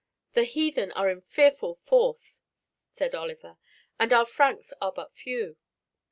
"The heathen are in fearful force," said Oliver, "and our Franks are but few.